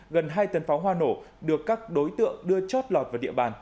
gần hai tấn pháo hoa nổ được các đối tượng đưa chót lọt vào địa bàn